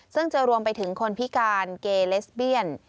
ซึ่งจะรวมไปถึงคนพิการเกเลสเบียน